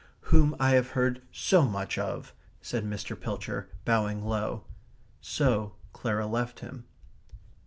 "Whom I have heard so much of," said Mr. Pilcher, bowing low. So Clara left him.